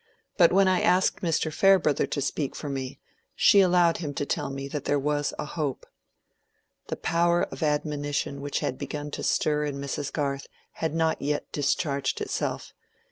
"But when I asked Mr. Farebrother to speak for me, she allowed him to tell me there was a hope." The power of admonition which had begun to stir in Mrs. Garth had not yet discharged itself.